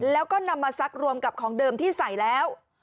แล้วก็นำมาซักรวมกับของเดิมที่ใส่แล้ว